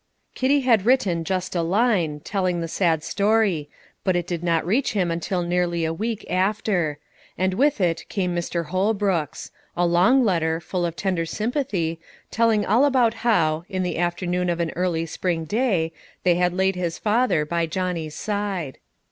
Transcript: Kitty had written just a line, telling the sad story, but it did not reach him until nearly a week after; and with it came Mr. Holbrook's, a long letter, full of tender sympathy, telling all about how, in the afternoon of an early spring day, they had laid his father by Johnny's side.